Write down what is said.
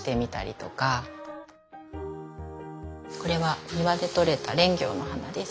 これは庭でとれたレンギョウの花です。